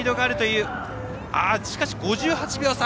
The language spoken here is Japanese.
しかし５８秒差。